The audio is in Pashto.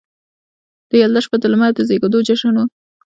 د یلدا شپه د لمر د زیږیدو جشن و